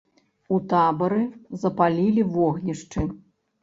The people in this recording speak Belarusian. У табары запалілі вогнішчы.